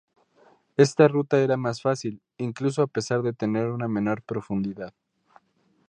Esta ruta era más fácil, incluso a pesar de tener una menor profundidad.